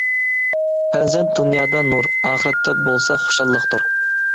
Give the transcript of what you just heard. پەرزەنت دۇنيادا نۇر، ئاخىرەتتە بولسا خۇشاللىقتۇر.